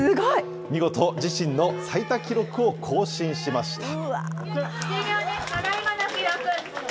見事、自身の最多記録を更新しました。